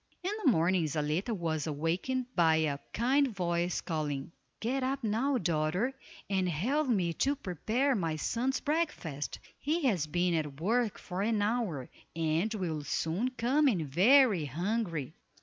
In the morning Zaletta was awakened by a kind voice calling, "Get up now, daughter, and help me to prepare my son's breakfast, he has been at work for an hour, and will soon come in very hungry."